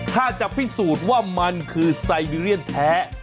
ถ้าจะพิสูจน์ว่ามันคือไซเบีเรียนแท้